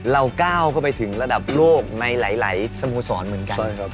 เราก้าวเข้าไปถึงระดับโลกในหลายสโมสรเหมือนกัน